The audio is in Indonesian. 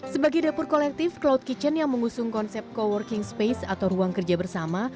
sebagai dapur kolektif cloud kitchen yang mengusung konsep co working space atau ruang kerja bersama